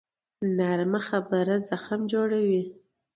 نرمه خبره زخم جوړوي